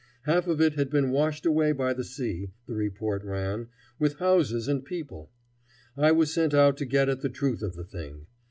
Half of it had been washed away by the sea, the report ran, with houses and people. I was sent out to get at the truth of the thing.